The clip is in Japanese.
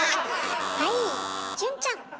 はい潤ちゃん！